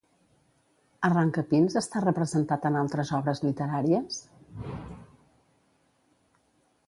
Arrancapins està representat en altres obres literàries?